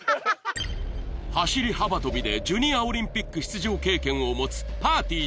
走り幅跳びでジュニアオリンピック出場経験を持つぱーてぃー